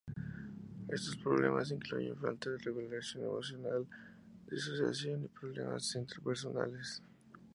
Estos problemas incluyen falta de regulación emocional, disociación y problemas interpersonales.